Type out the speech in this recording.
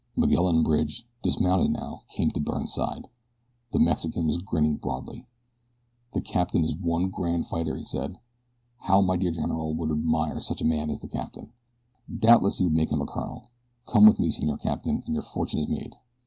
Miguel and Bridge, dismounted now, came to Byrne's side. The Mexican was grinning broadly. "The captain is one grand fighter," he said. "How my dear general would admire such a man as the captain. Doubtless he would make him a colonel. Come with me Senor Capitan and your fortune is made."